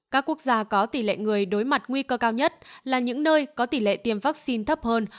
các quốc gia có tỷ lệ người đối mặt nguy cơ cao nhất là những nơi có tỷ lệ tiêm vaccine thấp hơn